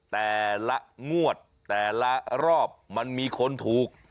แต่ละงวดแต่ละรอบมันมีคนถูก